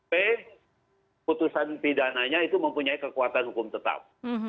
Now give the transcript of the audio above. p putusan pidananya itu mempunyai kekuatan hukum tetap